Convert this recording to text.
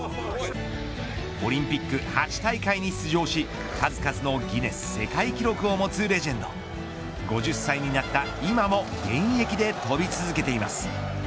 オリンピック８大会に出場し数々のギネス世界記録を持つレジェンド５０歳になった今も現役で飛び続けています。